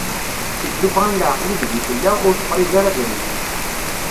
Seg tufɣa n laɛqel i deg i tella, ur tefriẓ ara abrid.